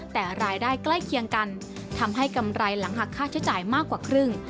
แต่รายได้ใกล้เคียงกันทำให้กำไรหลังหักค่าใช้จ่ายมากกว่าครึ่ง